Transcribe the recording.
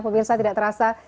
pemirsa tidak terasa